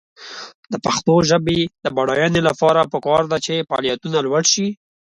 د پښتو ژبې د بډاینې لپاره پکار ده چې فعالیتونه لوړ شي.